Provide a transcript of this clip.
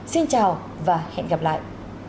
xin chào và hẹn gặp lại